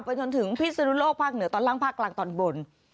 จนถึงพิศนุโลกภาคเหนือตอนล่างภาคกลางตอนบน